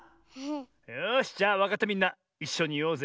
よしじゃあわかったみんないっしょにいおうぜ！